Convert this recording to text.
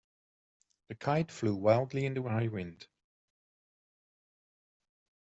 The kite flew wildly in the high wind.